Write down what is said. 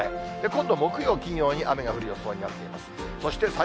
今度、木曜、金曜に雨が降る予想になっています。